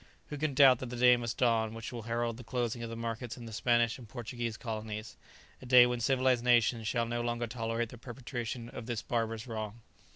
Who can doubt that the day must dawn which will herald the closing of the markets in the Spanish and Portuguese colonies, a day when civilized nations shall no longer tolerate the perpetration of this barbarous wrong?